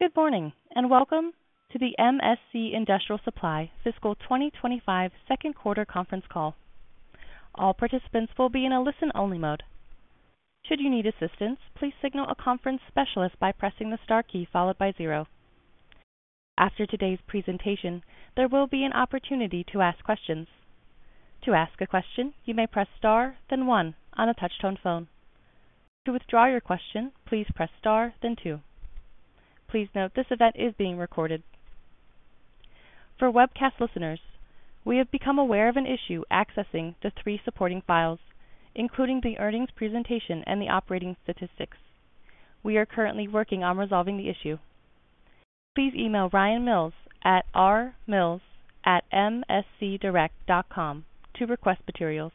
Good morning and welcome to the MSC Industrial Supply Fiscal 2025 second quarter conference call. All participants will be in a listen-only mode. Should you need assistance, please signal a conference specialist by pressing the star key followed by zero. After today's presentation, there will be an opportunity to ask questions. To ask a question, you may press star, then one, on a touch-tone phone. To withdraw your question, please press star, then two. Please note this event is being recorded. For webcast listeners, we have become aware of an issue accessing the three supporting files, including the earnings presentation and the operating statistics. We are currently working on resolving the issue. Please email ryanmills@mscdirect.com to request materials.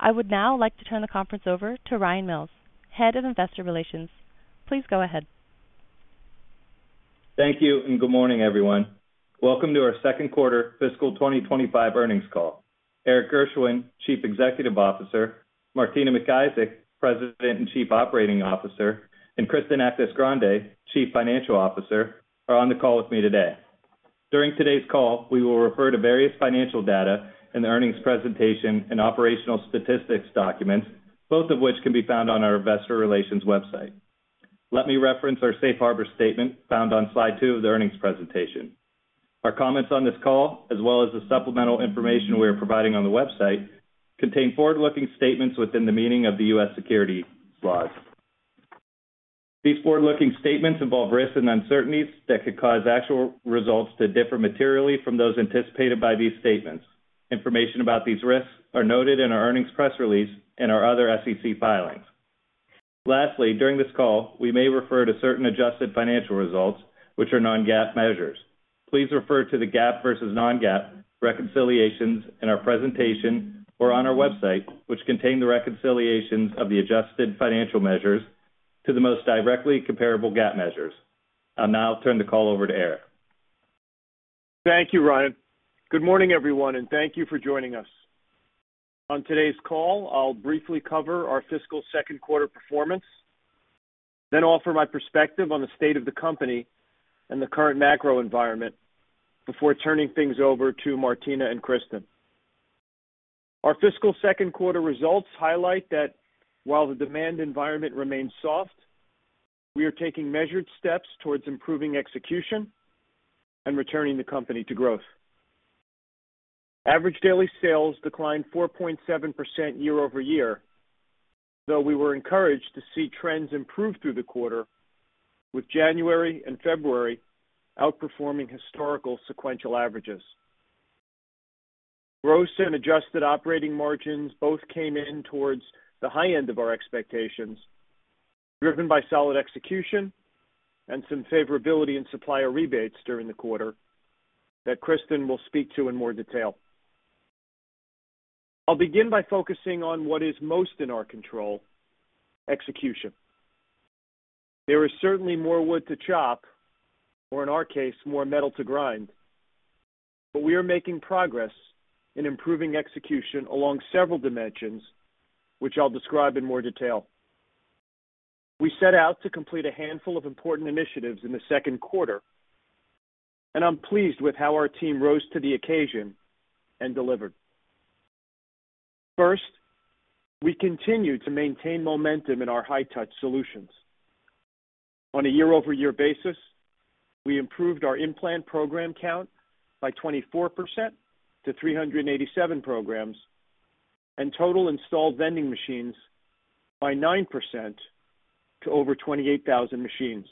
I would now like to turn the conference over to Ryan Mills, Head of Investor Relations. Please go ahead. Thank you and good morning, everyone. Welcome to our second quarter fiscal 2025 earnings call. Erik Gershwind, Chief Executive Officer; Martina McIsaac, President and Chief Operating Officer; and Kristen Actis-Grande, Chief Financial Officer, are on the call with me today. During today's call, we will refer to various financial data in the earnings presentation and operational statistics documents, both of which can be found on our Investor Relations website. Let me reference our Safe Harbor statement found on slide two of the earnings presentation. Our comments on this call, as well as the supplemental information we are providing on the website, contain forward-looking statements within the meaning of the U.S. security laws. These forward-looking statements involve risks and uncertainties that could cause actual results to differ materially from those anticipated by these statements. Information about these risks is noted in our earnings press release and our other SEC filings. Lastly, during this call, we may refer to certain adjusted financial results, which are non-GAAP measures. Please refer to the GAAP versus non-GAAP reconciliations in our presentation or on our website, which contain the reconciliations of the adjusted financial measures to the most directly comparable GAAP measures. I'll now turn the call over to Erik. Thank you, Ryan. Good morning, everyone, and thank you for joining us. On today's call, I'll briefly cover our fiscal second quarter performance, then offer my perspective on the state of the company and the current macro environment before turning things over to Martina and Kristen. Our fiscal second quarter results highlight that while the demand environment remains soft, we are taking measured steps towards improving execution and returning the company to growth. Average daily sales declined 4.7% year over year, though we were encouraged to see trends improve through the quarter, with January and February outperforming historical sequential averages. Gross and adjusted operating margins both came in towards the high end of our expectations, driven by solid execution and some favorability in supplier rebates during the quarter that Kristen will speak to in more detail. I'll begin by focusing on what is most in our control: execution. There is certainly more wood to chop, or in our case, more metal to grind, but we are making progress in improving execution along several dimensions, which I'll describe in more detail. We set out to complete a handful of important initiatives in the second quarter, and I'm pleased with how our team rose to the occasion and delivered. First, we continue to maintain momentum in our high-touch solutions. On a year-over-year basis, we improved our In-Plant program count by 24% to 387 programs and total installed vending machines by 9% to over 28,000 machines.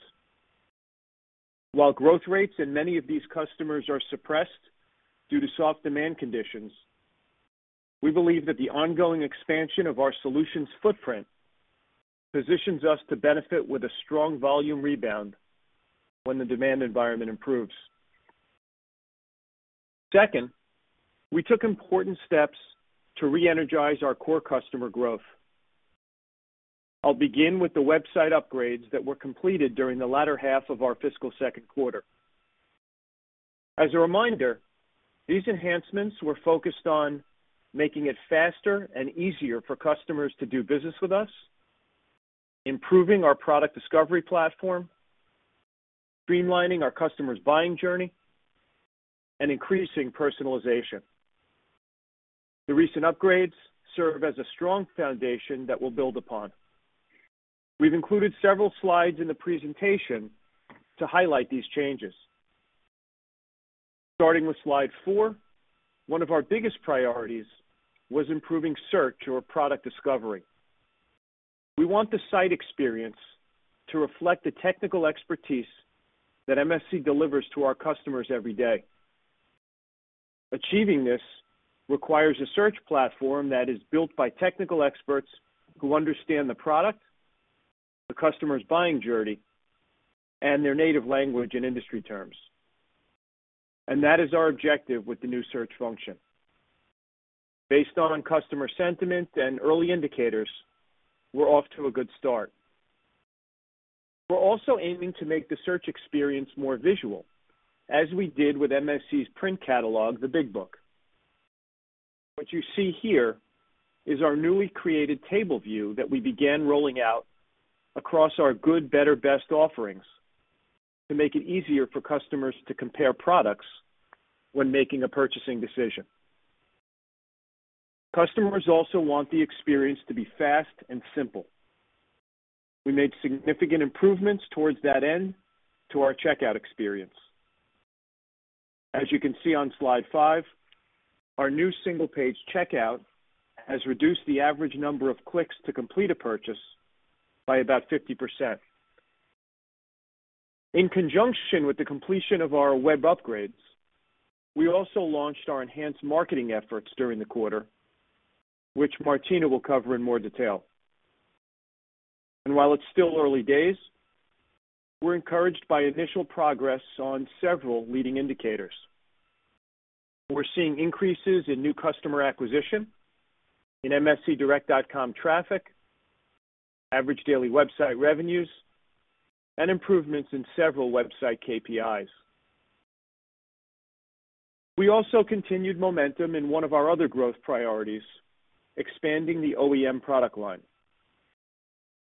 While growth rates in many of these customers are suppressed due to soft demand conditions, we believe that the ongoing expansion of our solutions footprint positions us to benefit with a strong volume rebound when the demand environment improves. Second, we took important steps to re-energize our core customer growth. I'll begin with the website upgrades that were completed during the latter half of our fiscal second quarter. As a reminder, these enhancements were focused on making it faster and easier for customers to do business with us, improving our product discovery platform, streamlining our customers' buying journey, and increasing personalization. The recent upgrades serve as a strong foundation that we'll build upon. We've included several slides in the presentation to highlight these changes. Starting with slide four, one of our biggest priorities was improving search or product discovery. We want the site experience to reflect the technical expertise that MSC delivers to our customers every day. Achieving this requires a search platform that is built by technical experts who understand the product, the customer's buying journey, and their native language and industry terms. That is our objective with the new search function. Based on customer sentiment and early indicators, we're off to a good start. We're also aiming to make the search experience more visual, as we did with MSC's print catalog, The Big Book. What you see here is our newly created table view that we began rolling out across our good, better, best offerings to make it easier for customers to compare products when making a purchasing decision. Customers also want the experience to be fast and simple. We made significant improvements towards that end to our checkout experience. As you can see on slide five, our new single-page checkout has reduced the average number of clicks to complete a purchase by about 50%. In conjunction with the completion of our web upgrades, we also launched our enhanced marketing efforts during the quarter, which Martina will cover in more detail. While it's still early days, we're encouraged by initial progress on several leading indicators. We're seeing increases in new customer acquisition, in MSCDirect.com traffic, average daily website revenues, and improvements in several website KPIs. We also continued momentum in one of our other growth priorities, expanding the OEM product line.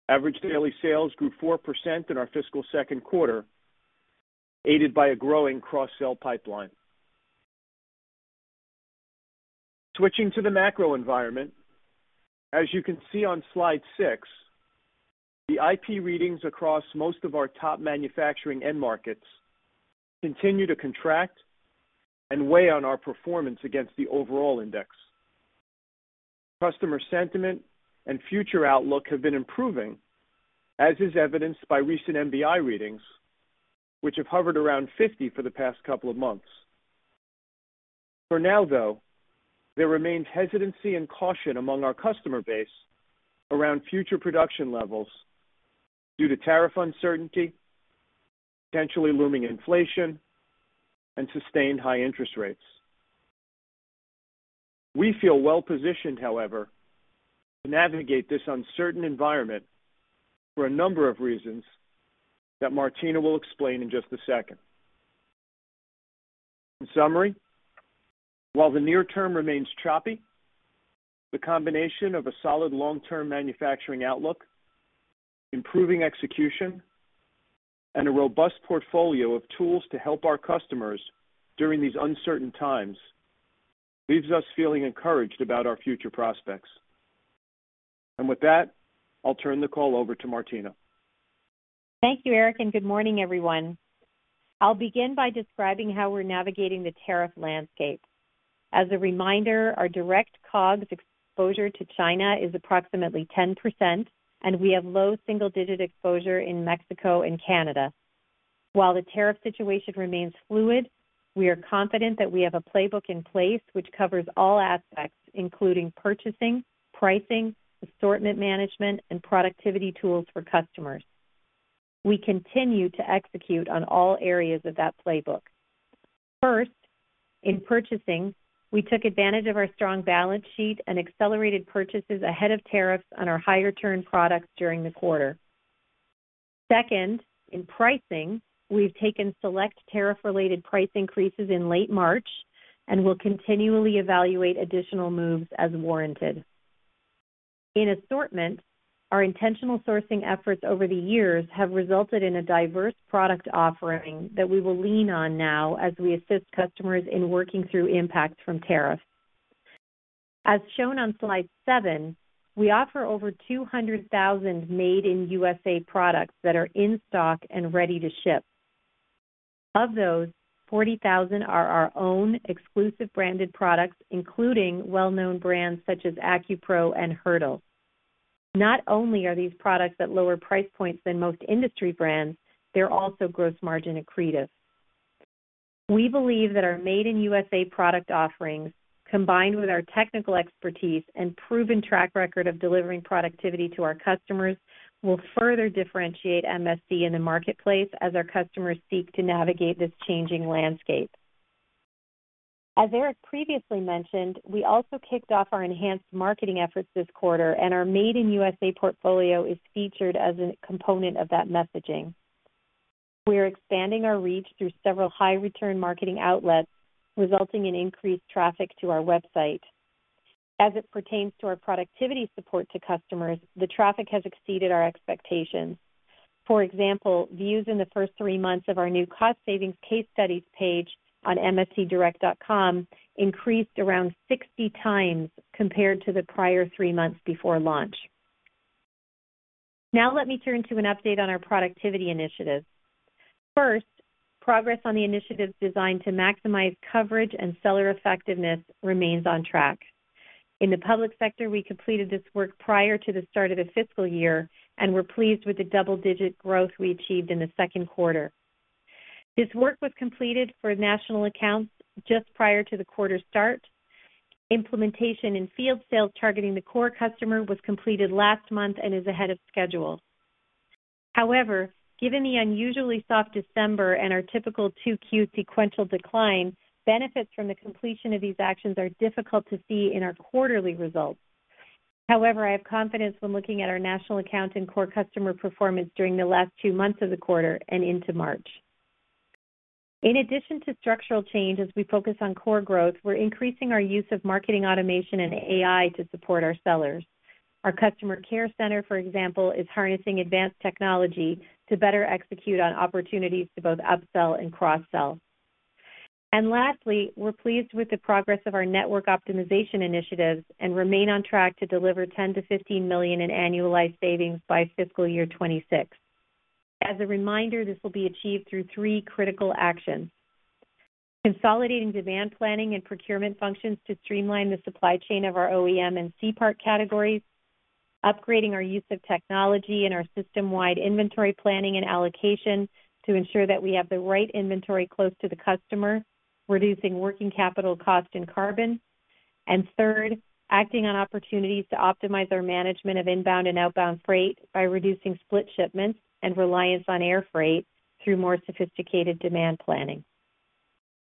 Average daily sales grew 4% in our fiscal second quarter, aided by a growing cross-sell pipeline. Switching to the macro environment, as you can see on slide six, the IP readings across most of our top manufacturing end markets continue to contract and weigh on our performance against the overall index. Customer sentiment and future outlook have been improving, as is evidenced by recent MBI readings, which have hovered around 50 for the past couple of months. For now, though, there remains hesitancy and caution among our customer base around future production levels due to tariff uncertainty, potentially looming inflation, and sustained high interest rates. We feel well-positioned, however, to navigate this uncertain environment for a number of reasons that Martina will explain in just a second. In summary, while the near term remains choppy, the combination of a solid long-term manufacturing outlook, improving execution, and a robust portfolio of tools to help our customers during these uncertain times leaves us feeling encouraged about our future prospects. I will turn the call over to Martina. Thank you, Erik, and good morning, everyone. I'll begin by describing how we're navigating the tariff landscape. As a reminder, our direct COGS exposure to China is approximately 10%, and we have low single-digit exposure in Mexico and Canada. While the tariff situation remains fluid, we are confident that we have a playbook in place which covers all aspects, including purchasing, pricing, assortment management, and productivity tools for customers. We continue to execute on all areas of that playbook. First, in purchasing, we took advantage of our strong balance sheet and accelerated purchases ahead of tariffs on our higher-turn products during the quarter. Second, in pricing, we've taken select tariff-related price increases in late March and will continually evaluate additional moves as warranted. In assortment, our intentional sourcing efforts over the years have resulted in a diverse product offering that we will lean on now as we assist customers in working through impacts from tariffs. As shown on slide seven, we offer over 200,000 made-in-USA products that are in stock and ready to ship. Of those, 40,000 are our own exclusive branded products, including well-known brands such as AccuPro and Hertel. Not only are these products at lower price points than most industry brands, they're also gross margin accretive. We believe that our made-in-USA product offerings, combined with our technical expertise and proven track record of delivering productivity to our customers, will further differentiate MSC in the marketplace as our customers seek to navigate this changing landscape. As Erik previously mentioned, we also kicked off our enhanced marketing efforts this quarter, and our made-in-USA portfolio is featured as a component of that messaging. We are expanding our reach through several high-return marketing outlets, resulting in increased traffic to our website. As it pertains to our productivity support to customers, the traffic has exceeded our expectations. For example, views in the first three months of our new cost savings case studies page on mscdirect.com increased around 60 times compared to the prior three months before launch. Now let me turn to an update on our productivity initiatives. First, progress on the initiatives designed to maximize coverage and seller effectiveness remains on track. In the public sector, we completed this work prior to the start of the fiscal year, and we're pleased with the double-digit growth we achieved in the second quarter. This work was completed for national accounts just prior to the quarter start. Implementation in field sales targeting the core customer was completed last month and is ahead of schedule. However, given the unusually soft December and our typical 2Q sequential decline, benefits from the completion of these actions are difficult to see in our quarterly results. However, I have confidence when looking at our national account and core customer performance during the last two months of the quarter and into March. In addition to structural change, as we focus on core growth, we're increasing our use of marketing automation and AI to support our sellers. Our customer care center, for example, is harnessing advanced technology to better execute on opportunities to both upsell and cross-sell. Lastly, we're pleased with the progress of our network optimization initiatives and remain on track to deliver $10 million-$15 million in annualized savings by fiscal year 2026. As a reminder, this will be achieved through three critical actions: consolidating demand planning and procurement functions to streamline the supply chain of our OEM and C-P categories, upgrading our use of technology and our system-wide inventory planning and allocation to ensure that we have the right inventory close to the customer, reducing working capital cost and carbon, and third, acting on opportunities to optimize our management of inbound and outbound freight by reducing split shipments and reliance on air freight through more sophisticated demand planning.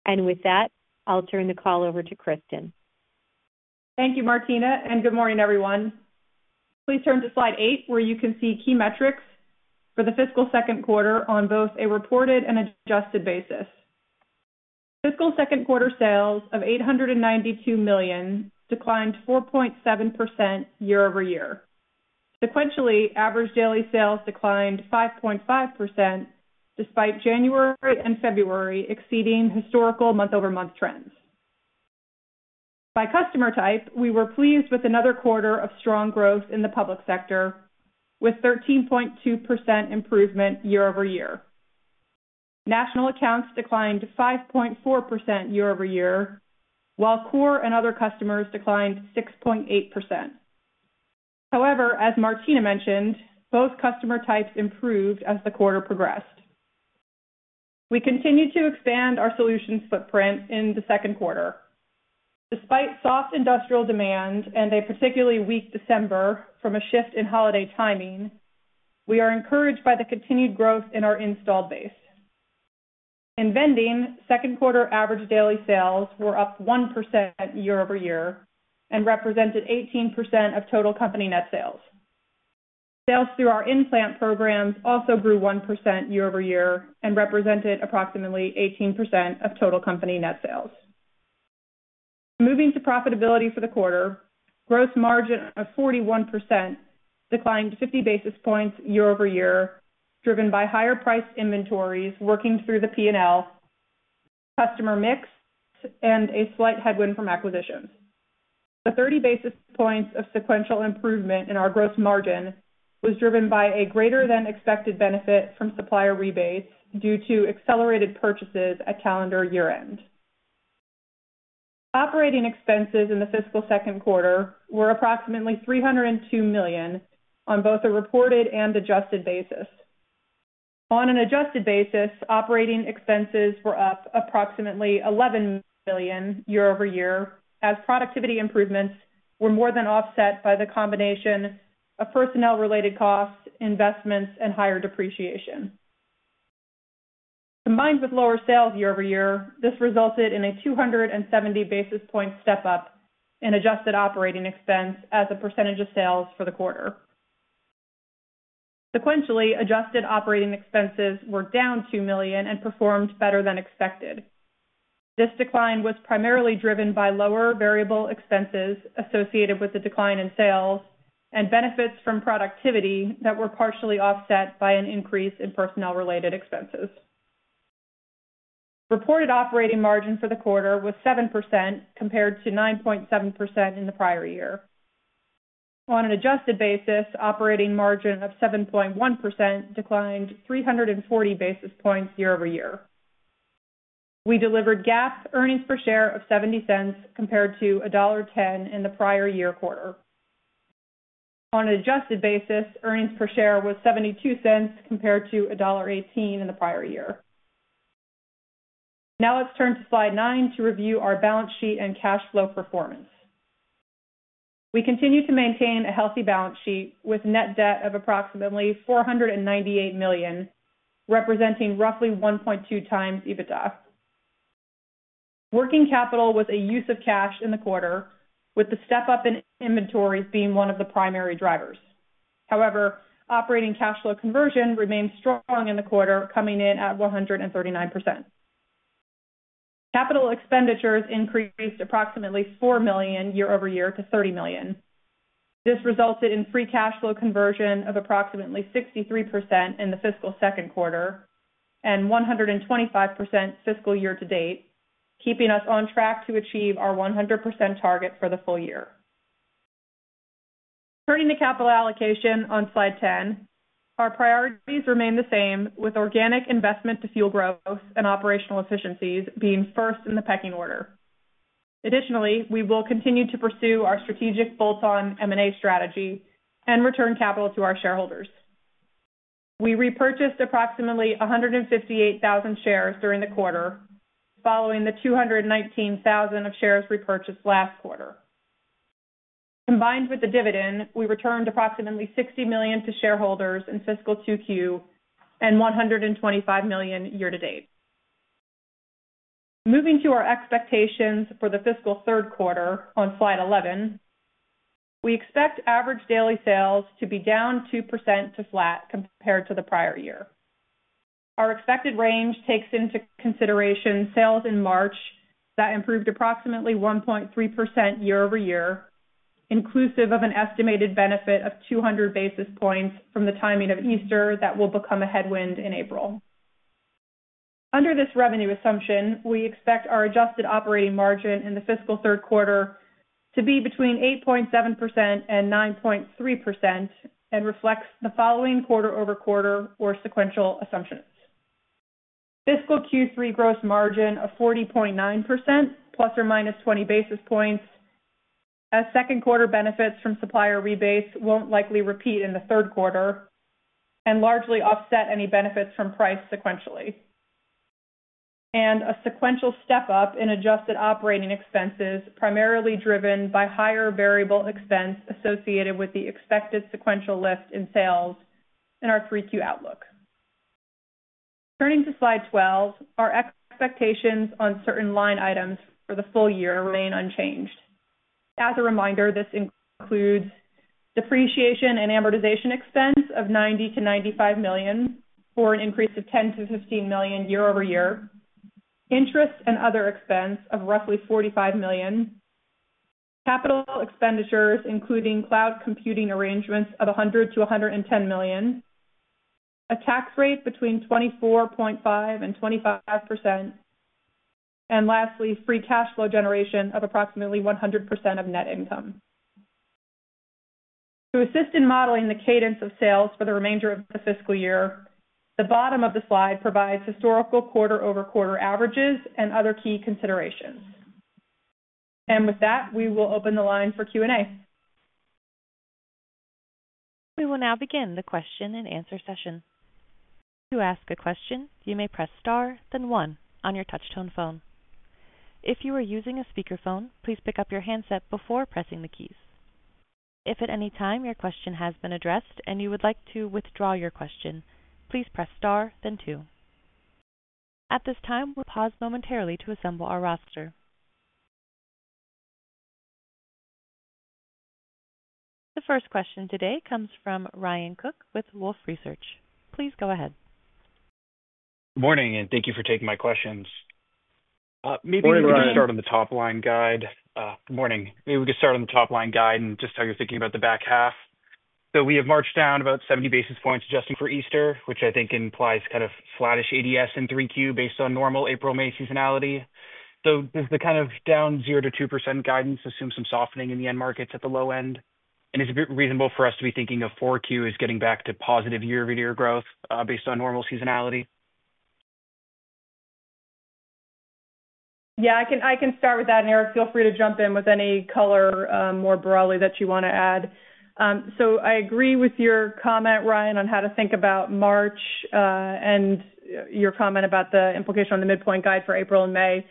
With that, I'll turn the call over to Kristen. Thank you, Martina, and good morning, everyone. Please turn to slide eight, where you can see key metrics for the fiscal second quarter on both a reported and adjusted basis. Fiscal second quarter sales of $892 million declined 4.7% year over year. Sequentially, average daily sales declined 5.5% despite January and February exceeding historical month-over-month trends. By customer type, we were pleased with another quarter of strong growth in the public sector, with 13.2% improvement year over year. National accounts declined 5.4% year over year, while core and other customers declined 6.8%. However, as Martina mentioned, both customer types improved as the quarter progressed. We continue to expand our solutions footprint in the second quarter. Despite soft industrial demand and a particularly weak December from a shift in holiday timing, we are encouraged by the continued growth in our installed base. In vending, second quarter average daily sales were up 1% year over year and represented 18% of total company net sales. Sales through our implant programs also grew 1% year over year and represented approximately 18% of total company net sales. Moving to profitability for the quarter, gross margin of 41% declined 50 basis points year over year, driven by higher price inventories working through the P&L, customer mix, and a slight headwind from acquisitions. The 30 basis points of sequential improvement in our gross margin was driven by a greater-than-expected benefit from supplier rebates due to accelerated purchases at calendar year-end. Operating expenses in the fiscal second quarter were approximately $302 million on both a reported and adjusted basis. On an adjusted basis, operating expenses were up approximately $11 million year over year, as productivity improvements were more than offset by the combination of personnel-related costs, investments, and higher depreciation. Combined with lower sales year over year, this resulted in a 270 basis point step-up in adjusted operating expense as a percentage of sales for the quarter. Sequentially, adjusted operating expenses were down $2 million and performed better than expected. This decline was primarily driven by lower variable expenses associated with the decline in sales and benefits from productivity that were partially offset by an increase in personnel-related expenses. Reported operating margin for the quarter was 7% compared to 9.7% in the prior year. On an adjusted basis, operating margin of 7.1% declined 340 basis points year over year. We delivered GAAP earnings per share of $0.70 compared to $10 in the prior year quarter. On an adjusted basis, earnings per share was $0.72 compared to $1.18 in the prior year. Now let's turn to slide nine to review our balance sheet and cash flow performance. We continue to maintain a healthy balance sheet with net debt of approximately $498 million, representing roughly 1.2 times EBITDA. Working capital was a use of cash in the quarter, with the step-up in inventories being one of the primary drivers. However, operating cash flow conversion remained strong in the quarter, coming in at 139%. Capital expenditures increased approximately $4 million year over year to $30 million. This resulted in free cash flow conversion of approximately 63% in the fiscal second quarter and 125% fiscal year to date, keeping us on track to achieve our 100% target for the full year. Turning to capital allocation on slide 10, our priorities remain the same, with organic investment to fuel growth and operational efficiencies being first in the pecking order. Additionally, we will continue to pursue our strategic bolt-on M&A strategy and return capital to our shareholders. We repurchased approximately 158,000 shares during the quarter, following the 219,000 shares repurchased last quarter. Combined with the dividend, we returned approximately $60 million to shareholders in fiscal Q2 and $125 million year to date. Moving to our expectations for the fiscal third quarter on slide 11, we expect average daily sales to be down 2% to flat compared to the prior year. Our expected range takes into consideration sales in March that improved approximately 1.3% year over year, inclusive of an estimated benefit of 200 basis points from the timing of Easter that will become a headwind in April. Under this revenue assumption, we expect our adjusted operating margin in the fiscal third quarter to be between 8.7% and 9.3% and reflects the following quarter-over-quarter or sequential assumptions. Fiscal Q3 gross margin of 40.9%, plus or minus 20 basis points, as second quarter benefits from supplier rebates won't likely repeat in the third quarter and largely offset any benefits from price sequentially, and a sequential step-up in adjusted operating expenses primarily driven by higher variable expense associated with the expected sequential lift in sales in our 3Q outlook. Turning to slide 12, our expectations on certain line items for the full year remain unchanged. As a reminder, this includes depreciation and amortization expense of $90 million-$95 million for an increase of $10 million-$15 million year over year, interest and other expense of roughly $45 million, capital expenditures, including cloud computing arrangements, of $100 million-$110 million, a tax rate between 24.5% and 25%, and lastly, free cash flow generation of approximately 100% of net income. To assist in modeling the cadence of sales for the remainder of the fiscal year, the bottom of the slide provides historical quarter-over-quarter averages and other key considerations. With that, we will open the line for Q&A. We will now begin the question and answer session. To ask a question, you may press star, then one on your touch-tone phone. If you are using a speakerphone, please pick up your handset before pressing the keys. If at any time your question has been addressed and you would like to withdraw your question, please press star, then two. At this time, we'll pause momentarily to assemble our roster. The first question today comes from Ryan Cooke with Wolfe Research. Please go ahead. Good morning, and thank you for taking my questions. Maybe we could start on the top line guide. Good morning. Maybe we could start on the top line guide and just how you're thinking about the back half. We have March down about 70 basis points adjusting for Easter, which I think implies kind of slattish ADS in three-queue based on normal April-May seasonality. Does the kind of down 0-2% guidance assume some softening in the end markets at the low end? Is it reasonable for us to be thinking of 4Q as getting back to positive year-over-year growth based on normal seasonality? Yeah, I can start with that, and Erik, feel free to jump in with any color more broadly that you want to add. I agree with your comment, Ryan, on how to think about March and your comment about the implication on the midpoint guide for April and May.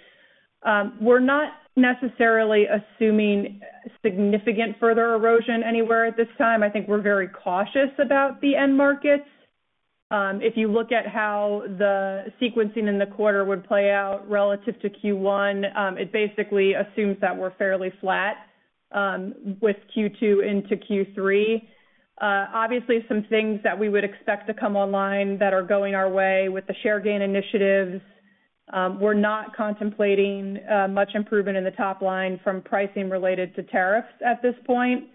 We're not necessarily assuming significant further erosion anywhere at this time. I think we're very cautious about the end markets. If you look at how the sequencing in the quarter would play out relative to Q1, it basically assumes that we're fairly flat with Q2 into Q3. Obviously, some things that we would expect to come online that are going our way with the share gain initiatives. We're not contemplating much improvement in the top line from pricing related to tariffs at this point.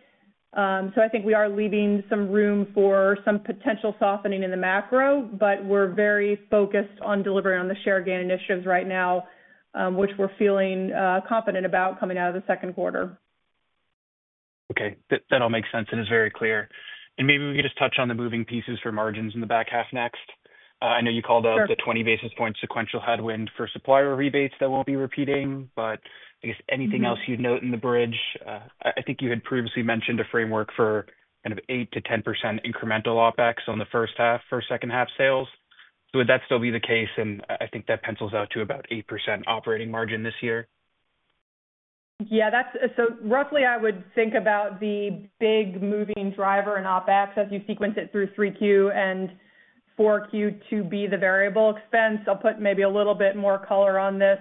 I think we are leaving some room for some potential softening in the macro, but we're very focused on delivering on the share gain initiatives right now, which we're feeling confident about coming out of the second quarter. Okay. That all makes sense and is very clear. Maybe we could just touch on the moving pieces for margins in the back half next. I know you called out the 20 basis point sequential headwind for supplier rebates that will not be repeating, but I guess anything else you would note in the bridge? I think you had previously mentioned a framework for kind of 8-10% incremental OpEx on the first half for second half sales. Would that still be the case? I think that pencils out to about 8% operating margin this year. Yeah. So roughly, I would think about the big moving driver in OpEx as you sequence it through 3Q and 4Q to be the variable expense. I'll put maybe a little bit more color on this.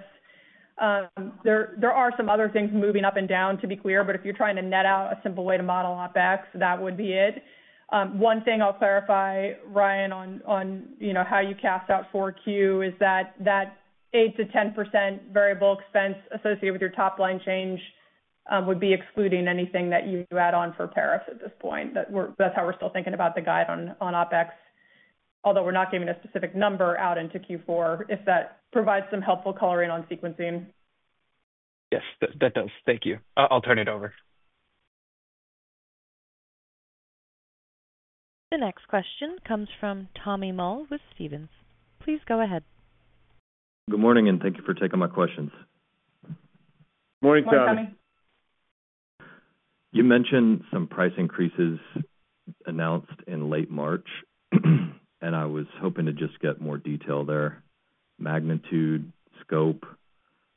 There are some other things moving up and down, to be clear, but if you're trying to net out a simple way to model OpEx, that would be it. One thing I'll clarify, Ryan, on how you cast out 4Q is that that 8%-10% variable expense associated with your top line change would be excluding anything that you add on for tariffs at this point. That's how we're still thinking about the guide on OpEx, although we're not giving a specific number out into Q4 if that provides some helpful coloring on sequencing. Yes, that does. Thank you. I'll turn it over. The next question comes from Tommy Moll with Stephens. Please go ahead. Good morning, and thank you for taking my questions. Morning, Tommy. You mentioned some price increases announced in late March, and I was hoping to just get more detail there, magnitude, scope,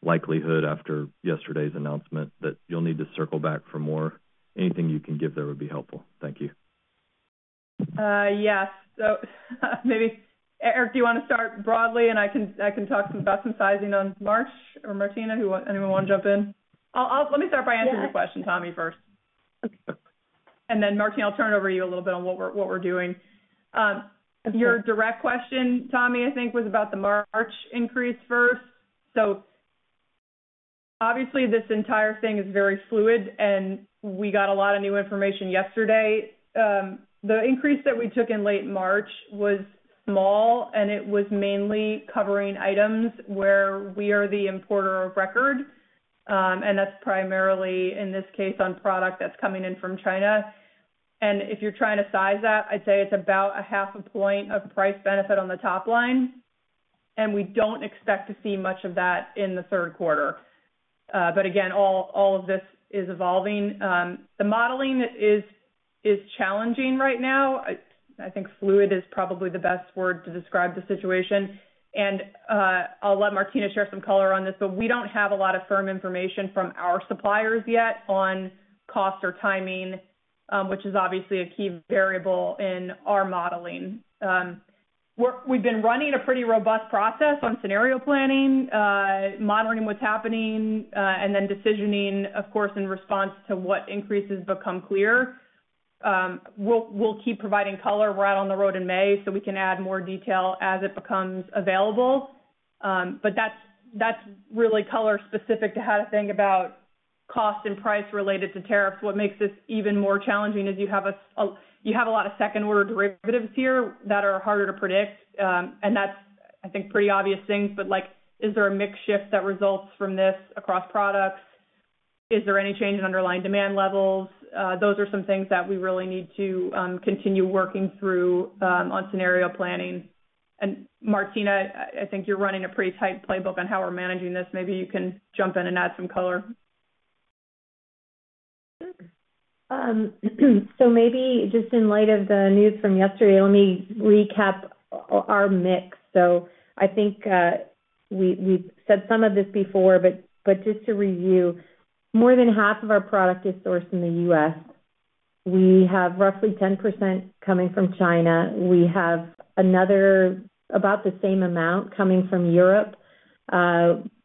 likelihood after yesterday's announcement that you'll need to circle back for more. Anything you can give there would be helpful. Thank you. Yes. Maybe, Erik, do you want to start broadly, and I can talk about some sizing on March or Martina? Anyone want to jump in? Let me start by answering your question, Tommy, first. Then, Martina, I'll turn it over to you a little bit on what we're doing. Your direct question, Tommy, I think, was about the March increase first. Obviously, this entire thing is very fluid, and we got a lot of new information yesterday. The increase that we took in late March was small, and it was mainly covering items where we are the importer of record, and that's primarily, in this case, on product that's coming in from China. If you're trying to size that, I'd say it's about a half a point of price benefit on the top line, and we don't expect to see much of that in the third quarter. All of this is evolving. The modeling is challenging right now. I think fluid is probably the best word to describe the situation. I'll let Martina share some color on this, but we don't have a lot of firm information from our suppliers yet on cost or timing, which is obviously a key variable in our modeling. We've been running a pretty robust process on scenario planning, modeling what's happening, and then decisioning, of course, in response to what increases become clear. We'll keep providing color. We're out on the road in May, so we can add more detail as it becomes available. That is really color specific to how to think about cost and price related to tariffs. What makes this even more challenging is you have a lot of second-order derivatives here that are harder to predict. I think pretty obvious things, but is there a mixed shift that results from this across products? Is there any change in underlying demand levels? Those are some things that we really need to continue working through on scenario planning. Martina, I think you are running a pretty tight playbook on how we are managing this. Maybe you can jump in and add some color. Sure. Maybe just in light of the news from yesterday, let me recap our mix. I think we've said some of this before, but just to review, more than half of our product is sourced in the U.S. We have roughly 10% coming from China. We have another about the same amount coming from Europe,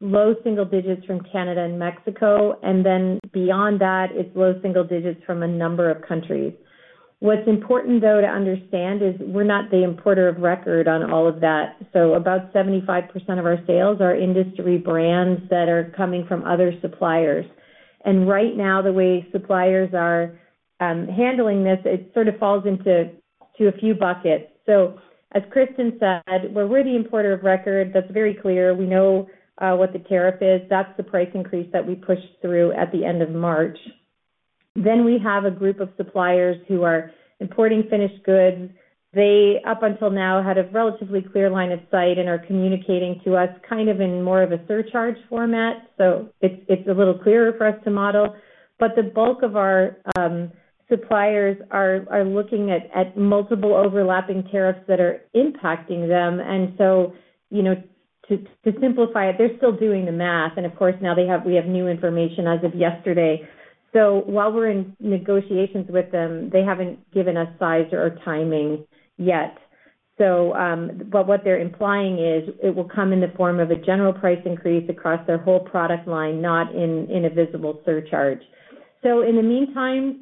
low single digits from Canada and Mexico, and then beyond that, it's low single digits from a number of countries. What's important, though, to understand is we're not the importer of record on all of that. About 75% of our sales are industry brands that are coming from other suppliers. Right now, the way suppliers are handling this, it sort of falls into a few buckets. As Kristen said, we're really importer of record. That's very clear. We know what the tariff is. That's the price increase that we pushed through at the end of March. We have a group of suppliers who are importing finished goods. They, up until now, had a relatively clear line of sight and are communicating to us kind of in more of a surcharge format. It is a little clearer for us to model. The bulk of our suppliers are looking at multiple overlapping tariffs that are impacting them. To simplify it, they are still doing the math. Of course, now we have new information as of yesterday. While we are in negotiations with them, they have not given us size or timing yet. What they are implying is it will come in the form of a general price increase across their whole product line, not in a visible surcharge. In the meantime,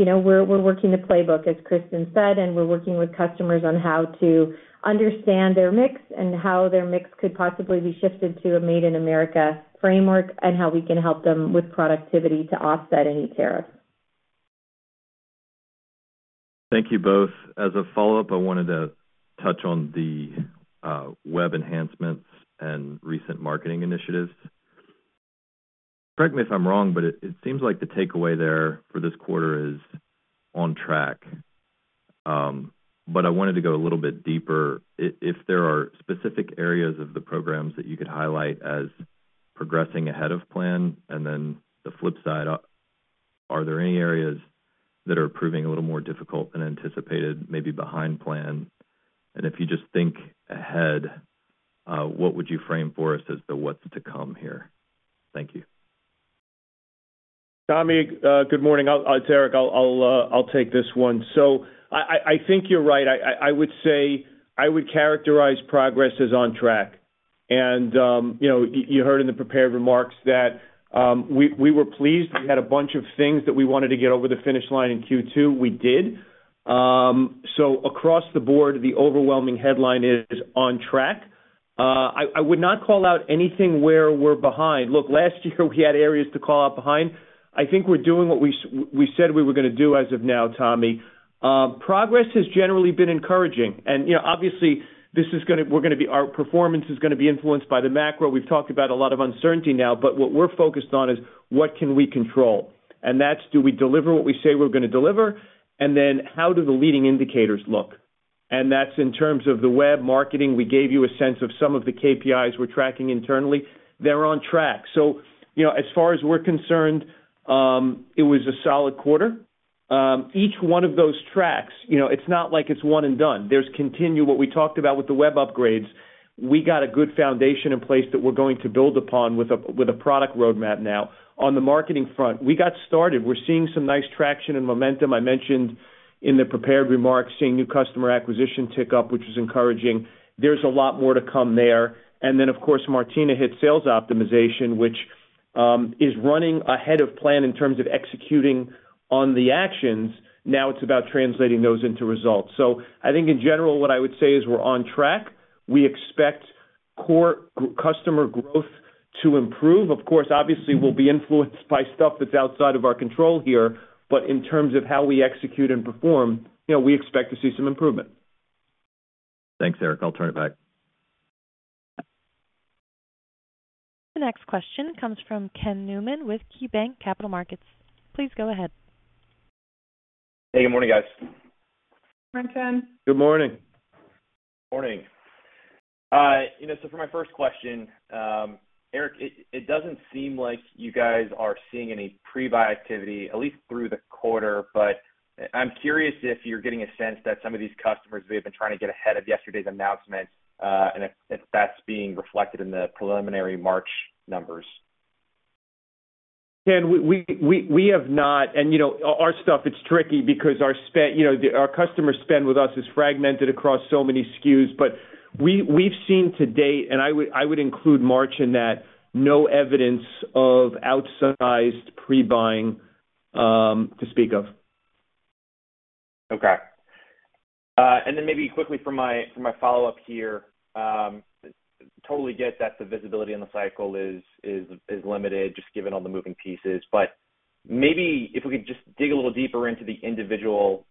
we're working the playbook, as Kristen said, and we're working with customers on how to understand their mix and how their mix could possibly be shifted to a Made in America framework and how we can help them with productivity to offset any tariffs. Thank you both. As a follow-up, I wanted to touch on the web enhancements and recent marketing initiatives. Correct me if I'm wrong, but it seems like the takeaway there for this quarter is on track. I wanted to go a little bit deeper. If there are specific areas of the programs that you could highlight as progressing ahead of plan, and then the flip side, are there any areas that are proving a little more difficult than anticipated, maybe behind plan? If you just think ahead, what would you frame for us as the what's to come here? Thank you. Tommy, good morning. It's Erik. I'll take this one. I think you're right. I would say I would characterize progress as on track. You heard in the prepared remarks that we were pleased. We had a bunch of things that we wanted to get over the finish line in Q2. We did. Across the board, the overwhelming headline is on track. I would not call out anything where we're behind. Last year, we had areas to call out behind. I think we're doing what we said we were going to do as of now, Tommy. Progress has generally been encouraging. Obviously, our performance is going to be influenced by the macro. We've talked about a lot of uncertainty now, but what we're focused on is what can we control? Do we deliver what we say we're going to deliver, and then how do the leading indicators look? That is in terms of the web marketing. We gave you a sense of some of the KPIs we're tracking internally. They're on track. As far as we're concerned, it was a solid quarter. Each one of those tracks, it's not like it's one and done. There is continued what we talked about with the web upgrades. We got a good foundation in place that we're going to build upon with a product roadmap now. On the marketing front, we got started. We're seeing some nice traction and momentum. I mentioned in the prepared remarks seeing new customer acquisition tick up, which was encouraging. There is a lot more to come there. Of course, Martina hit sales optimization, which is running ahead of plan in terms of executing on the actions. Now it's about translating those into results. I think in general, what I would say is we're on track. We expect core customer growth to improve. Of course, obviously, we'll be influenced by stuff that's outside of our control here, but in terms of how we execute and perform, we expect to see some improvement. Thanks, Erik. I'll turn it back. The next question comes from Ken Newman with KeyBanc Capital Markets. Please go ahead. Hey, good morning, guys. Hi, Ken. Good morning. Morning. For my first question, Erik, it doesn't seem like you guys are seeing any pre-buy activity, at least through the quarter, but I'm curious if you're getting a sense that some of these customers may have been trying to get ahead of yesterday's announcement, and if that's being reflected in the preliminary March numbers. Ken, we have not. Our stuff, it's tricky because our customer spend with us is fragmented across so many SKUs, but we've seen to date, and I would include March in that, no evidence of outsized pre-buying to speak of. Okay. Maybe quickly for my follow-up here, totally get that the visibility in the cycle is limited just given all the moving pieces, but maybe if we could just dig a little deeper into the individual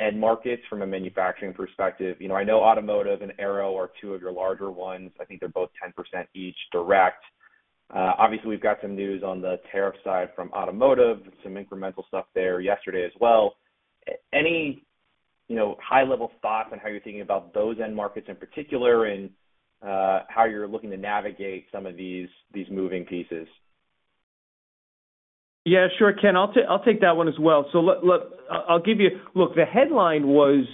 end markets from a manufacturing perspective. I know automotive and aero are two of your larger ones. I think they're both 10% each direct. Obviously, we've got some news on the tariff side from automotive, some incremental stuff there yesterday as well. Any high-level thoughts on how you're thinking about those end markets in particular and how you're looking to navigate some of these moving pieces? Yeah, sure, Ken. I'll take that one as well. Look, the headline was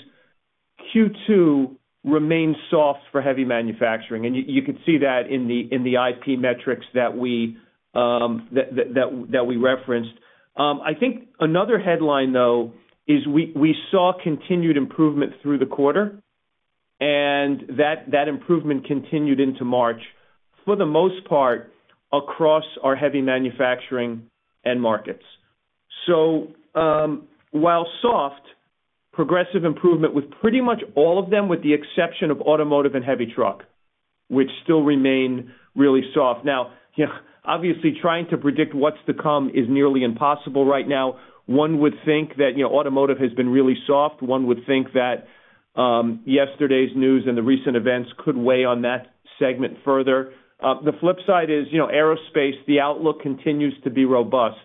Q2 remains soft for heavy manufacturing, and you could see that in the IP metrics that we referenced. I think another headline, though, is we saw continued improvement through the quarter, and that improvement continued into March for the most part across our heavy manufacturing end markets. While soft, progressive improvement with pretty much all of them, with the exception of automotive and heavy truck, which still remain really soft. Obviously, trying to predict what's to come is nearly impossible right now. One would think that automotive has been really soft. One would think that yesterday's news and the recent events could weigh on that segment further. The flip side is aerospace. The outlook continues to be robust,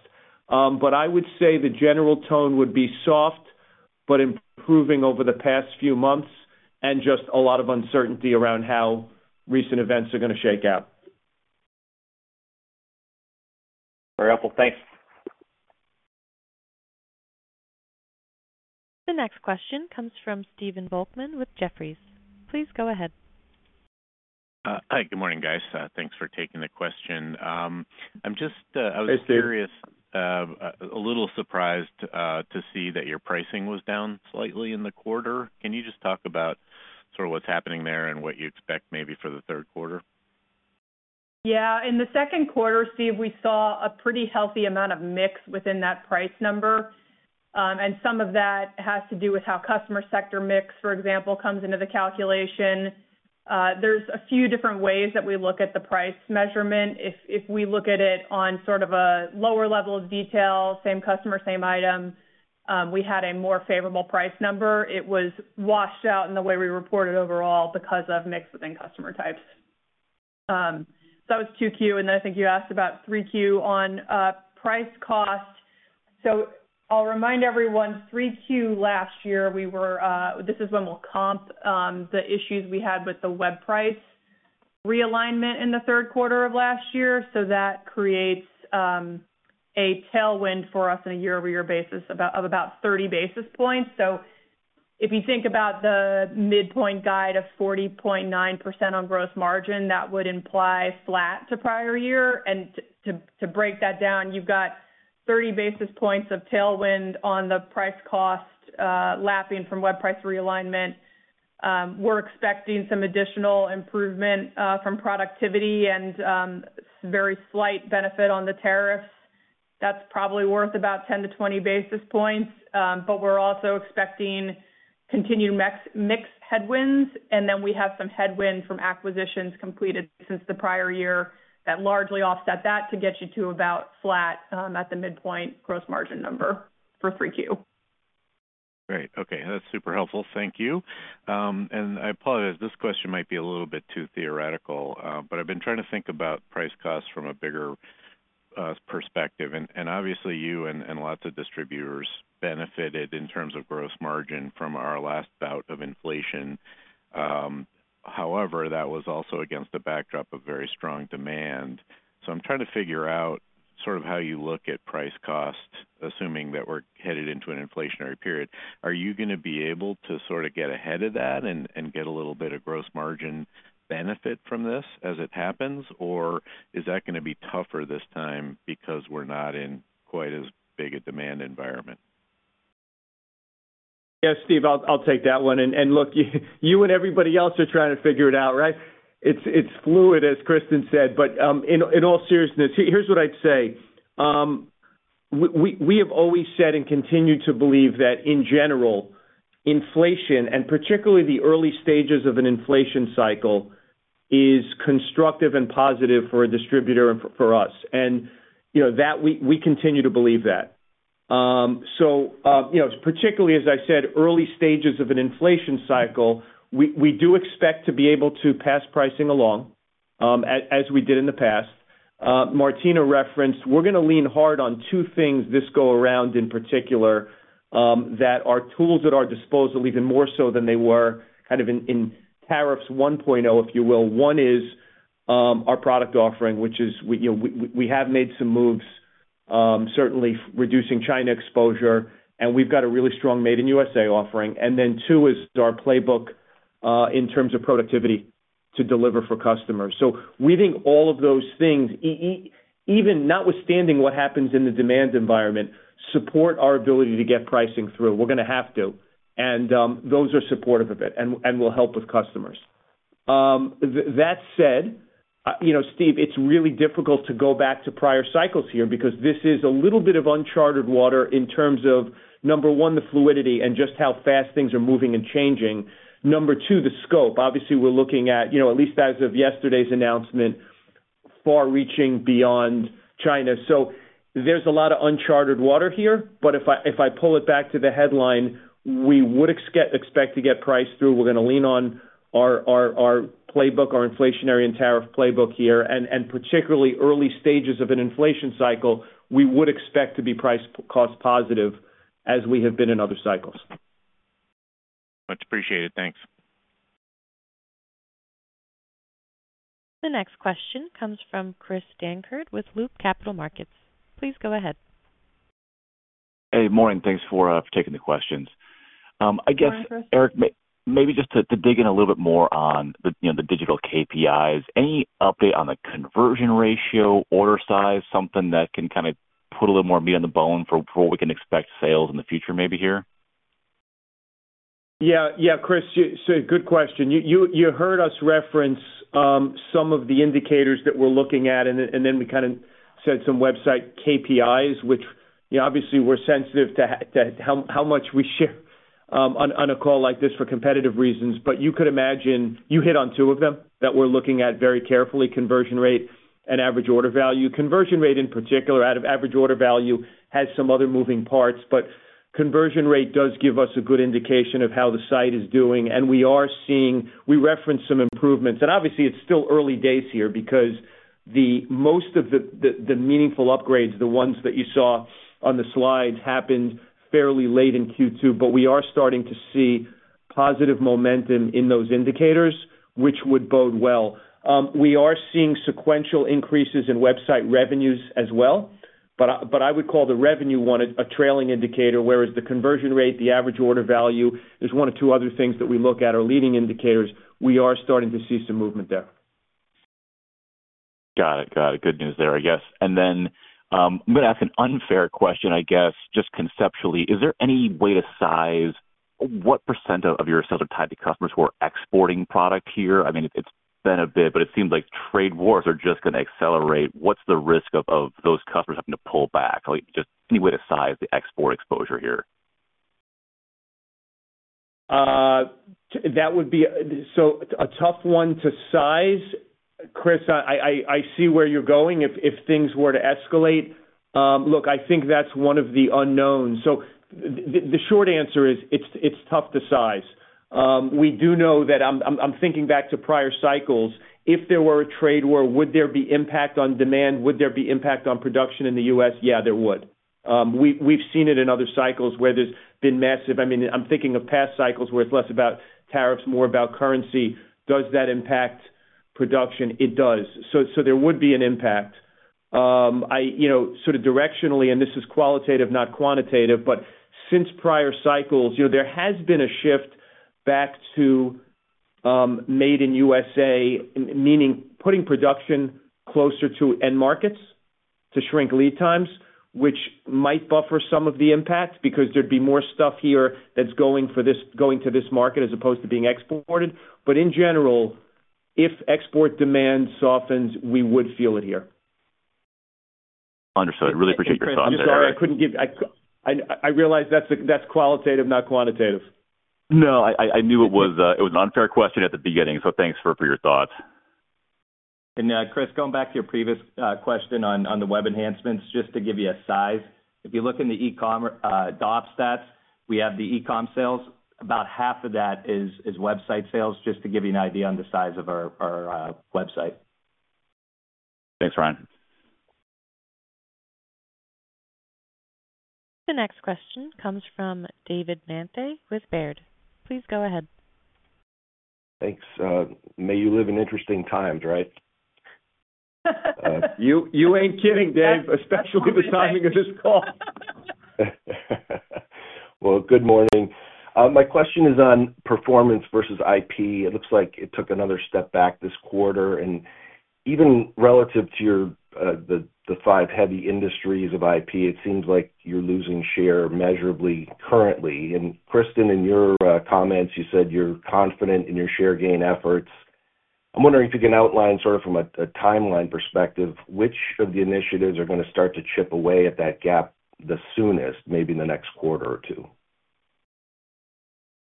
but I would say the general tone would be soft but improving over the past few months and just a lot of uncertainty around how recent events are going to shake out. Very helpful. Thanks. The next question comes from Stephen Volkmann with Jefferies. Please go ahead. Hi, good morning, guys. Thanks for taking the question. I was curious, a little surprised to see that your pricing was down slightly in the quarter. Can you just talk about sort of what's happening there and what you expect maybe for the third quarter? Yeah. In the second quarter, Steve, we saw a pretty healthy amount of mix within that price number, and some of that has to do with how customer sector mix, for example, comes into the calculation. There are a few different ways that we look at the price measurement. If we look at it on sort of a lower level of detail, same customer, same item, we had a more favorable price number. It was washed out in the way we reported overall because of mix within customer types. That was 2Q. I think you asked about 3Q on price cost. I'll remind everyone, 3Q last year, this is when we will comp the issues we had with the web price realignment in the third quarter of last year. That creates a tailwind for us on a year-over-year basis of about 30 basis points. If you think about the midpoint guide of 40.9% on gross margin, that would imply flat to prior year. To break that down, you've got 30 basis points of tailwind on the price cost lapping from web price realignment. We're expecting some additional improvement from productivity and very slight benefit on the tariffs. That's probably worth about 10-20 basis points, but we're also expecting continued mixed headwinds. We have some headwind from acquisitions completed since the prior year that largely offset that to get you to about flat at the midpoint gross margin number for 3Q. Great. Okay. That's super helpful. Thank you. I apologize. This question might be a little bit too theoretical, but I've been trying to think about price costs from a bigger perspective. Obviously, you and lots of distributors benefited in terms of gross margin from our last bout of inflation. However, that was also against the backdrop of very strong demand. I'm trying to figure out sort of how you look at price cost, assuming that we're headed into an inflationary period. Are you going to be able to sort of get ahead of that and get a little bit of gross margin benefit from this as it happens, or is that going to be tougher this time because we're not in quite as big a demand environment? Yes, Steve, I'll take that one. You and everybody else are trying to figure it out, right? It's fluid, as Kristen said. In all seriousness, here's what I'd say. We have always said and continue to believe that, in general, inflation, and particularly the early stages of an inflation cycle, is constructive and positive for a distributor and for us. We continue to believe that. Particularly, as I said, early stages of an inflation cycle, we do expect to be able to pass pricing along as we did in the past. Martina referenced, we're going to lean hard on two things this go around in particular that are tools at our disposal, even more so than they were kind of in tariffs 1.0, if you will. One is our product offering, which is we have made some moves, certainly reducing China exposure, and we've got a really strong Made in USA offering. Two is our playbook in terms of productivity to deliver for customers. We think all of those things, even notwithstanding what happens in the demand environment, support our ability to get pricing through. We're going to have to. Those are supportive of it and will help with customers. That said, Steve, it's really difficult to go back to prior cycles here because this is a little bit of unchartered water in terms of, number one, the fluidity and just how fast things are moving and changing. Number two, the scope. Obviously, we're looking at, at least as of yesterday's announcement, far reaching beyond China. There is a lot of unchartered water here, but if I pull it back to the headline, we would expect to get priced through. We are going to lean on our playbook, our inflationary and tariff playbook here, and particularly early stages of an inflation cycle, we would expect to be price cost positive as we have been in other cycles. Much appreciated. Thanks. The next question comes from Chris Dankert with Loop Capital Markets. Please go ahead. Hey, morning. Thanks for taking the questions. I guess, Erik, maybe just to dig in a little bit more on the digital KPIs, any update on the conversion ratio, order size, something that can kind of put a little more meat on the bone for what we can expect sales in the future maybe here? Yeah. Yeah, Chris, good question. You heard us reference some of the indicators that we're looking at, and then we kind of said some website KPIs, which obviously we're sensitive to how much we share on a call like this for competitive reasons, but you could imagine you hit on two of them that we're looking at very carefully: conversion rate and average order value. Conversion rate in particular, out of average order value, has some other moving parts, but conversion rate does give us a good indication of how the site is doing. We are seeing we reference some improvements. Obviously, it's still early days here because most of the meaningful upgrades, the ones that you saw on the slides, happened fairly late in Q2, but we are starting to see positive momentum in those indicators, which would bode well. We are seeing sequential increases in website revenues as well, but I would call the revenue one a trailing indicator, whereas the conversion rate, the average order value, there's one or two other things that we look at are leading indicators. We are starting to see some movement there. Got it. Got it. Good news there, I guess. I am going to ask an unfair question, I guess, just conceptually. Is there any way to size what % of your sales are tied to customers who are exporting product here? I mean, it's been a bit, but it seems like trade wars are just going to accelerate. What's the risk of those customers having to pull back? Just any way to size the export exposure here? That would be a tough one to size. Chris, I see where you're going. If things were to escalate, look, I think that's one of the unknowns. The short answer is it's tough to size. We do know that I'm thinking back to prior cycles. If there were a trade war, would there be impact on demand? Would there be impact on production in the U.S.? Yeah, there would. We've seen it in other cycles where there's been massive, I mean, I'm thinking of past cycles where it's less about tariffs, more about currency. Does that impact production? It does. There would be an impact. Sort of directionally, and this is qualitative, not quantitative, but since prior cycles, there has been a shift back to Made in USA, meaning putting production closer to end markets to shrink lead times, which might buffer some of the impact because there would be more stuff here that is going to this market as opposed to being exported. In general, if export demand softens, we would feel it here. Understood. Really appreciate your thoughts there. I'm sorry. I couldn't give you, I realize that's qualitative, not quantitative. No, I knew it was an unfair question at the beginning, so thanks for your thoughts. Chris, going back to your previous question on the web enhancements, just to give you a size, if you look in the e-commerce DOP stats, we have the e-com sales. About half of that is website sales, just to give you an idea on the size of our website. Thanks, Ryan. The next question comes from David Manthey with Baird. Please go ahead. Thanks. May you live in interesting times, right? You ain't kidding, Dave, especially the timing of this call. Good morning. My question is on performance versus IP. It looks like it took another step back this quarter. Even relative to the five heavy industries of IP, it seems like you're losing share measurably currently. Kristen, in your comments, you said you're confident in your share gain efforts. I'm wondering if you can outline sort of from a timeline perspective which of the initiatives are going to start to chip away at that gap the soonest, maybe in the next quarter or two.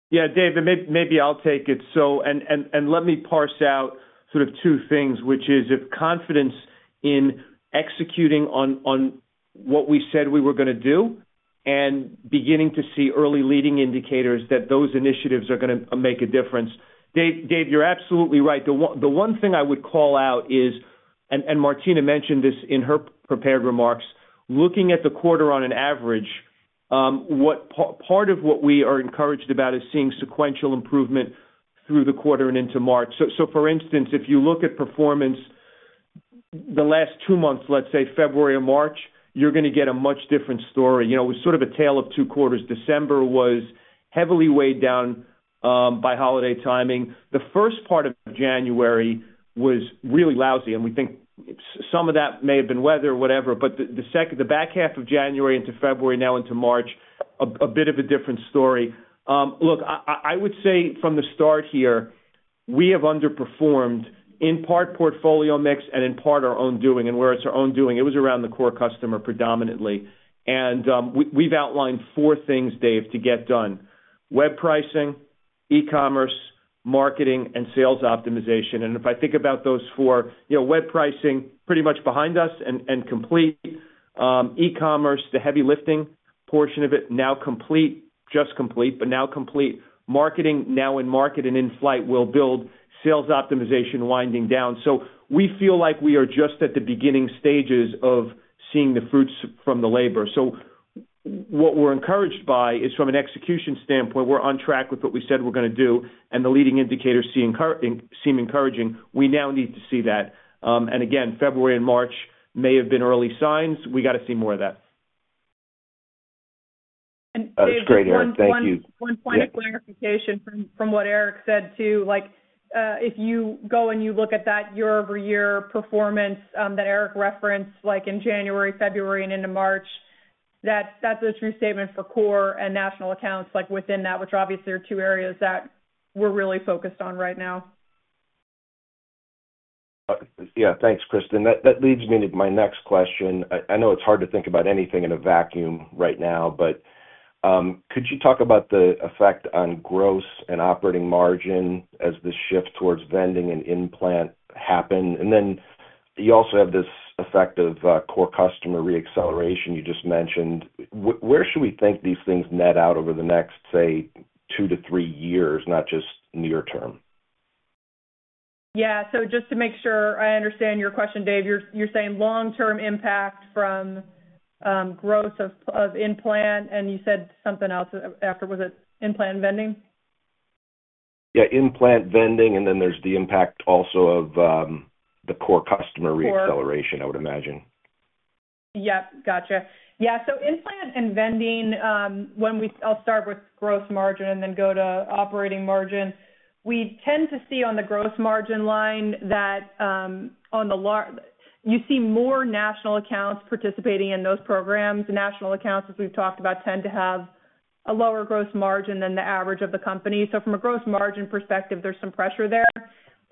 Yeah, Dave, maybe I'll take it. Let me parse out sort of two things, which is if confidence in executing on what we said we were going to do and beginning to see early leading indicators that those initiatives are going to make a difference. Dave, you're absolutely right. The one thing I would call out is, and Martina mentioned this in her prepared remarks, looking at the quarter on an average, part of what we are encouraged about is seeing sequential improvement through the quarter and into March. For instance, if you look at performance the last two months, let's say February or March, you're going to get a much different story. It was sort of a tale of two quarters. December was heavily weighed down by holiday timing. The first part of January was really lousy. We think some of that may have been weather or whatever, but the back half of January into February, now into March, a bit of a different story. Look, I would say from the start here, we have underperformed in part portfolio mix and in part our own doing. Where it's our own doing, it was around the core customer predominantly. We have outlined four things, Dave, to get done: web pricing, e-commerce, marketing, and sales optimization. If I think about those four, web pricing pretty much behind us and complete. E-commerce, the heavy lifting portion of it, now complete, just complete, but now complete. Marketing, now in market and in flight, will build. Sales optimization winding down. We feel like we are just at the beginning stages of seeing the fruits from the labor. What we're encouraged by is from an execution standpoint, we're on track with what we said we're going to do, and the leading indicators seem encouraging. We now need to see that. Again, February and March may have been early signs. We got to see more of that. That's great, Erik. Thank you. One point of clarification from what Erik said too. If you go and you look at that year-over-year performance that Erik referenced in January, February, and into March, that's a true statement for core and national accounts within that, which obviously are two areas that we're really focused on right now. Yeah. Thanks, Kristen. That leads me to my next question. I know it's hard to think about anything in a vacuum right now, but could you talk about the effect on gross and operating margin as the shift towards vending and implant happen? You also have this effect of core customer re-acceleration you just mentioned. Where should we think these things net out over the next, say, two to three years, not just near term? Yeah. Just to make sure I understand your question, Dave, you're saying long-term impact from growth of implant, and you said something else after, was it implant vending? Yeah, implant vending, and then there's the impact also of the core customer re-acceleration, I would imagine. Yep. Gotcha. Yeah. So implant and vending, I'll start with gross margin and then go to operating margin. We tend to see on the gross margin line that you see more national accounts participating in those programs. National accounts, as we've talked about, tend to have a lower gross margin than the average of the company. From a gross margin perspective, there's some pressure there.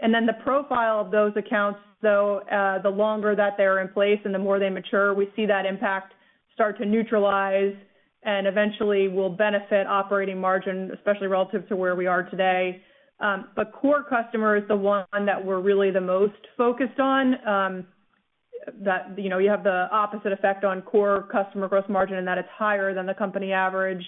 The profile of those accounts, though, the longer that they're in place and the more they mature, we see that impact start to neutralize and eventually will benefit operating margin, especially relative to where we are today. Core customer is the one that we're really the most focused on. You have the opposite effect on core customer gross margin in that it's higher than the company average,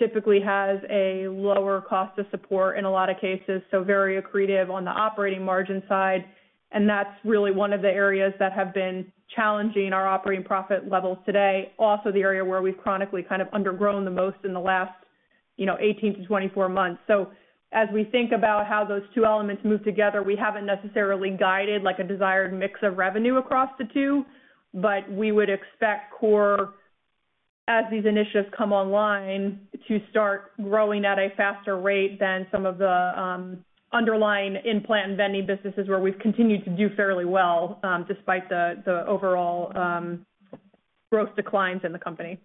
typically has a lower cost of support in a lot of cases, so very accretive on the operating margin side. That is really one of the areas that have been challenging our operating profit levels today. Also, the area where we've chronically kind of undergrown the most in the last 18 to 24 months. As we think about how those two elements move together, we haven't necessarily guided a desired mix of revenue across the two, but we would expect core, as these initiatives come online, to start growing at a faster rate than some of the underlying implant and vending businesses where we've continued to do fairly well despite the overall growth declines in the company.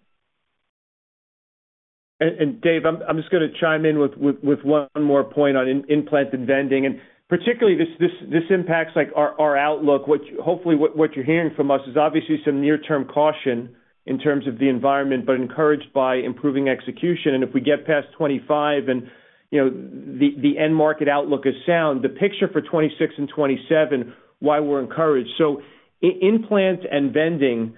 Dave, I'm just going to chime in with one more point on implant and vending. Particularly, this impacts our outlook. Hopefully, what you're hearing from us is obviously some near-term caution in terms of the environment, but encouraged by improving execution. If we get past 2025 and the end market outlook is sound, the picture for 2026 and 2027, why we're encouraged. Implant and vending,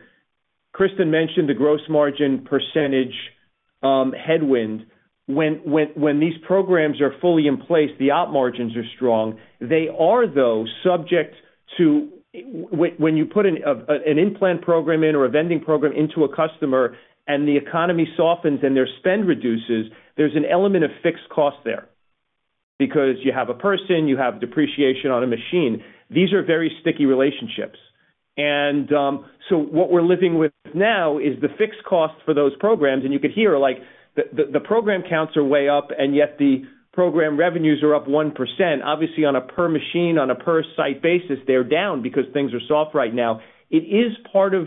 Kristen mentioned the gross margin percentage headwind. When these programs are fully in place, the operating margins are strong. They are, though, subject to when you put an implant program in or a vending program into a customer and the economy softens and their spend reduces, there's an element of fixed cost there because you have a person, you have depreciation on a machine. These are very sticky relationships. What we're living with now is the fixed cost for those programs. You could hear the program counts are way up, and yet the program revenues are up 1%. Obviously, on a per machine, on a per site basis, they're down because things are soft right now. It is part of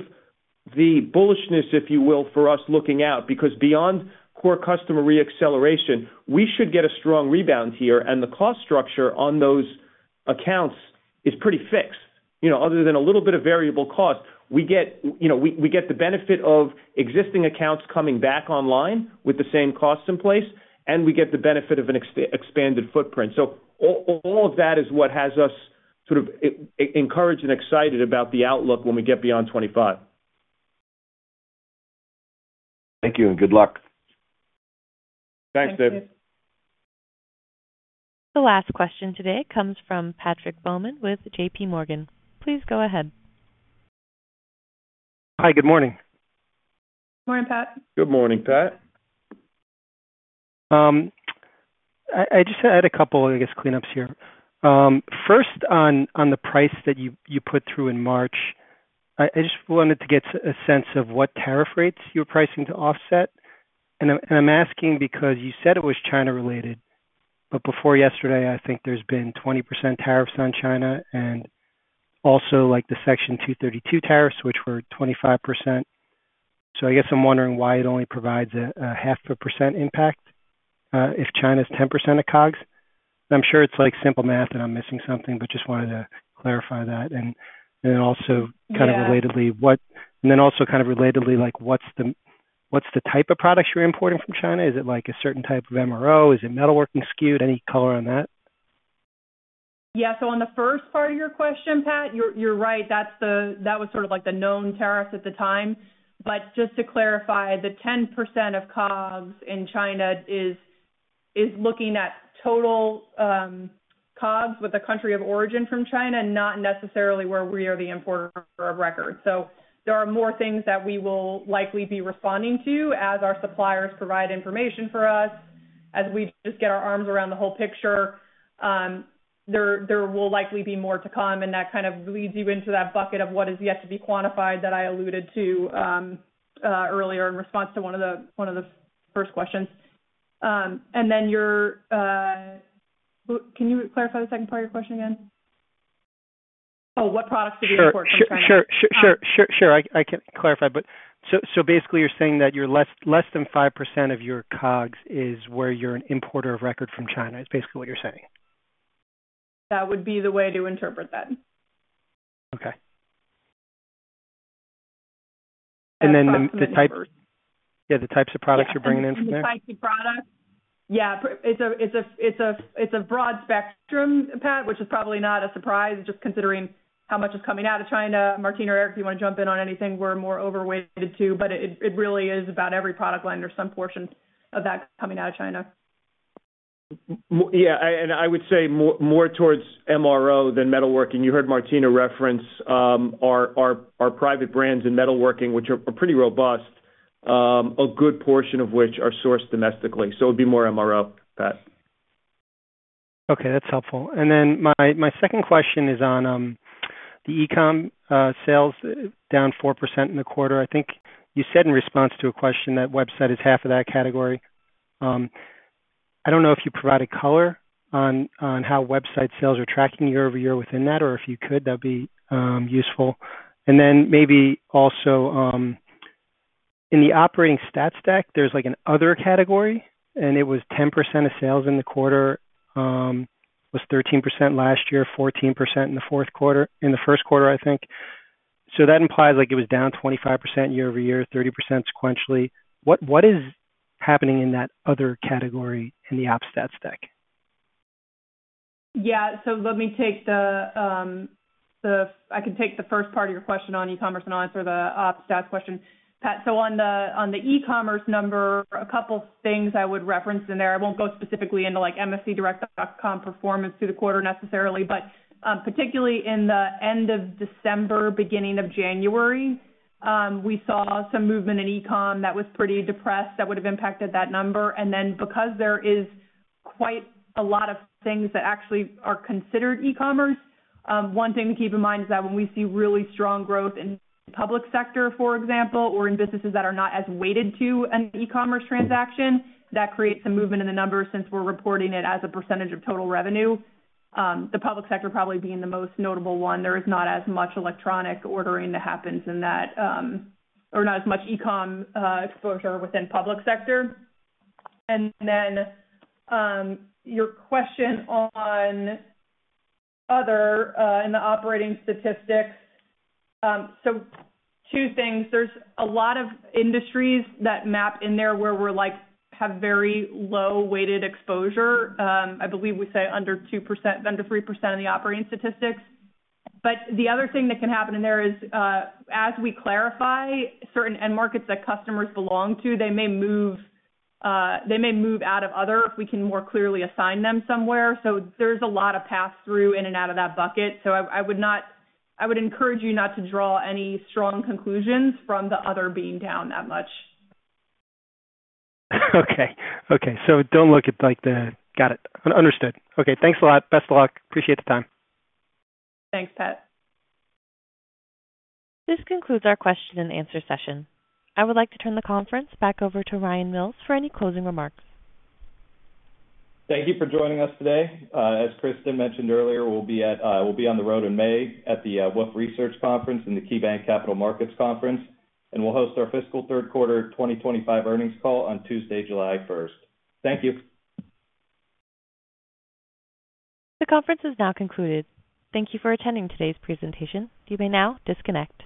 the bullishness, if you will, for us looking out because beyond core customer re-acceleration, we should get a strong rebound here. The cost structure on those accounts is pretty fixed. Other than a little bit of variable cost, we get the benefit of existing accounts coming back online with the same costs in place, and we get the benefit of an expanded footprint. All of that is what has us sort of encouraged and excited about the outlook when we get beyond 2025. Thank you and good luck. Thanks, Dave. The last question today comes from Patrick Baumann with JPMorgan. Please go ahead. Hi, good morning. Morning, Pat. Good morning, Pat. I just had a couple, I guess, cleanups here. First, on the price that you put through in March, I just wanted to get a sense of what tariff rates you're pricing to offset. I'm asking because you said it was China-related, but before yesterday, I think there's been 20% tariffs on China and also the Section 232 tariffs, which were 25%. I guess I'm wondering why it only provides a half a percent impact if China's 10% of COGS. I'm sure it's simple math and I'm missing something, but just wanted to clarify that. Also, kind of relatedly, what's the type of products you're importing from China? Is it a certain type of MRO? Is it metalworking skewed? Any color on that? Yeah. On the first part of your question, Pat, you're right. That was sort of the known tariffs at the time. Just to clarify, the 10% of COGS in China is looking at total COGS with the country of origin from China, not necessarily where we are the importer of record. There are more things that we will likely be responding to as our suppliers provide information for us, as we just get our arms around the whole picture. There will likely be more to come. That kind of leads you into that bucket of what is yet to be quantified that I alluded to earlier in response to one of the first questions. Can you clarify the second part of your question again? Oh, what products do we import from China? Sure, sure, sure. I can clarify. Basically, you're saying that less than 5% of your COGS is where you're an importer of record from China. It's basically what you're saying. That would be the way to interpret that. Okay. And then the type. That's what I've heard. Yeah, the types of products you're bringing in from there? Yeah. It's a broad spectrum, Pat, which is probably not a surprise, just considering how much is coming out of China. Martina or Erik, if you want to jump in on anything, we're more overweighted too. It really is about every product line or some portion of that coming out of China. Yeah. I would say more towards MRO than metalworking. You heard Martina reference our private brands in metalworking, which are pretty robust, a good portion of which are sourced domestically. It would be more MRO, Pat. Okay. That's helpful. My second question is on the e-com sales, down 4% in the quarter. I think you said in response to a question that website is half of that category. I do not know if you provide a color on how website sales are tracking year over year within that, or if you could, that would be useful. Maybe also in the operating stats deck, there is an other category, and it was 10% of sales in the quarter, was 13% last year, 14% in the first quarter, I think. That implies it was down 25% year over year, 30% sequentially. What is happening in that other category in the Op stats deck? Yeah. Let me take the I can take the first part of your question on e-commerce and answer the op stats question. Pat, on the e-commerce number, a couple of things I would reference in there. I won't go specifically into MSCDirect.com performance through the quarter necessarily, but particularly in the end of December, beginning of January, we saw some movement in e-com that was pretty depressed that would have impacted that number. Because there is quite a lot of things that actually are considered e-commerce, one thing to keep in mind is that when we see really strong growth in the public sector, for example, or in businesses that are not as weighted to an e-commerce transaction, that creates some movement in the numbers since we're reporting it as a percentage of total revenue. The public sector probably being the most notable one. There is not as much electronic ordering that happens in that or not as much e-com exposure within public sector. Your question on other in the operating statistics, two things. There are a lot of industries that map in there where we have very low-weighted exposure. I believe we say under 2%, under 3% in the operating statistics. The other thing that can happen in there is as we clarify certain end markets that customers belong to, they may move out of other if we can more clearly assign them somewhere. There is a lot of pass-through in and out of that bucket. I would encourage you not to draw any strong conclusions from the other being down that much. Okay. Okay. Got it. Understood. Okay. Thanks a lot. Best of luck. Appreciate the time. Thanks, Pat. This concludes our question-and-answer session. I would like to turn the conference back over to Ryan Mills for any closing remarks. Thank you for joining us today. As Kristen mentioned earlier, we'll be on the road in May at the Wolfe Research Conference and the KeyBanc Capital Markets Conference. We will host our fiscal third quarter 2025 earnings call on Tuesday, July 1. Thank you. The conference is now concluded. Thank you for attending today's presentation. You may now disconnect.